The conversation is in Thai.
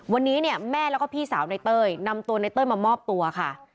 วันนี้เนี่ยแม่แล้วก็พี่สาวในเต้ยนำตัวในเต้ยมามอบตัวค่ะ